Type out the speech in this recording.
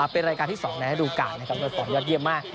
เป็นรายการที่๒นะให้ดูก่อนนะครับโดยสอบยอดเยี่ยมมาก